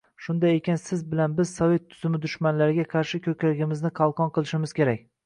Shunday ekan, siz bilan biz sovet tuzumi dushmanlariga qarshi ko‘kragimizni qalqon qilishimiz kerak.